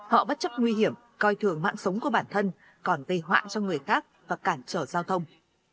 họ bất chấp nguy hiểm coi thường mạng sống của bản thân còn gây hoãn cho người khác và cản trở giao thông